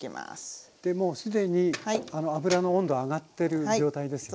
もうすでに油の温度上がってる状態ですよね。